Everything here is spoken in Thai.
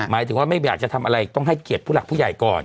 หมายถึงว่าไม่อยากจะทำอะไรต้องให้เกียรติผู้หลักผู้ใหญ่ก่อน